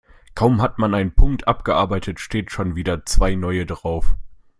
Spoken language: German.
Kaum hat man einen Punkt abgearbeitet, stehen schon wieder zwei neue drauf.